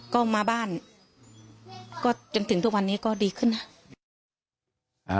ก็มาบ้านก็จนถึงทุกวันนี้ก็ดีขึ้นนะ